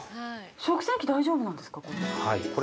食洗機大丈夫なんですか、これ。